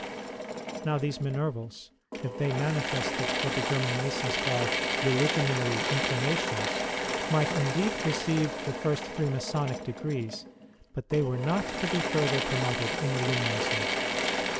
Now these Minervals, if they manifested what the German Masons call "religionary " inclinations, might indeed receive the first three Masonic degrees, but they were not to be further promoted in Illuminism.